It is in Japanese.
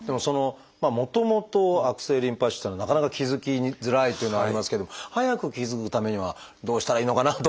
もともと悪性リンパ腫っていうのはなかなか気付きづらいというのはありますけど早く気付くためにどうしたらいいのかなと思ったりしますが。